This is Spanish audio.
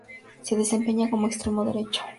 Se desempeña como extremo derecho.